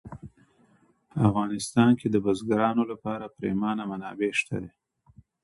په افغانستان کې د بزګانو لپاره پریمانه منابع شته دي.